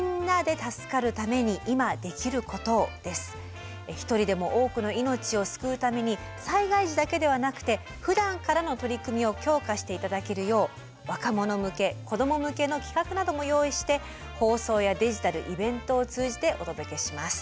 コンセプトは１人でも多くの命を救うために災害時だけではなくてふだんからの取り組みを強化して頂けるよう若者向け子ども向けの企画なども用意して放送やデジタルイベントを通じてお届けします。